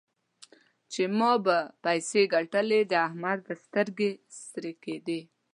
چې ما به پيسې ګټلې؛ د احمد به سترګې سرې کېدې.